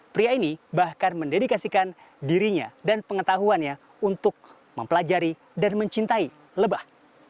pria ini bahkan mendedikasikan dirinya dan pengetahuannya untuk mempelajari dan mencintai lebah